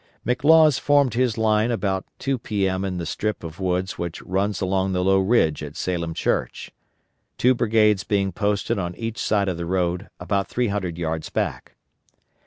McLaws formed his line about 2 P.M. in the strip of woods which runs along the low ridge at Salem Church; two brigades being posted on each side of the road about three hundred yards back.